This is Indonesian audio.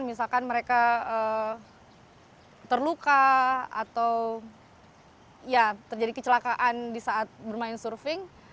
misalkan mereka terluka atau ya terjadi kecelakaan di saat bermain surfing